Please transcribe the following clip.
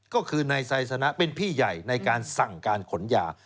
ก็คือนายไซสนะเป็นพี่ใหญ่ในการสั่งการขนยา